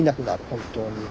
本当に。